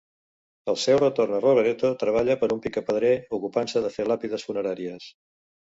Al seu retorn a Rovereto treballa per un picapedrer, ocupant-se de fer làpides funeràries.